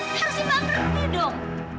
harusnya mbak ngerti dong